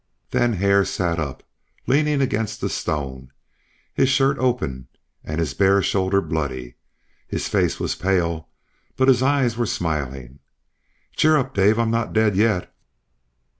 Then Hare sat up, leaning against the stone, his shirt open and his bare shoulder bloody; his face was pale, but his eyes were smiling. "Cheer up, Dave. I'm not dead yet."